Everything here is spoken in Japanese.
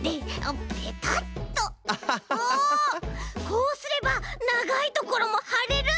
こうすればながいところもはれる！